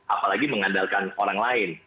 apalagi mengandalkan orang lain